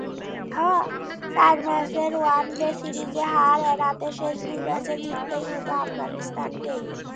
চার ম্যাচের ওয়ানডে সিরিজে হার এড়াতে শেষ দুই ম্যাচে জিততেই হতো আফগানিস্তানকে।